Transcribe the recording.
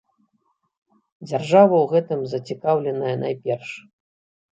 Дзяржава ў гэтым зацікаўленая найперш.